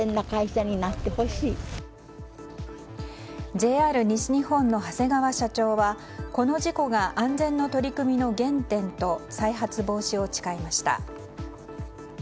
ＪＲ西日本の長谷川社長はこの事故が安全の取り組みの原点と再発防止を誓いました。